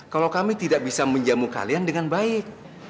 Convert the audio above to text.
kalau kami tidak bisa menjamu kalian dengan baik